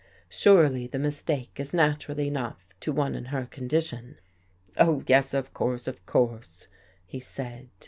Surely the mistake is natural enough to one in her condi tion." " Oh, yes, of course, of course," he said.